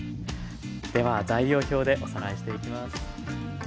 では材料表でおさらいしていきます。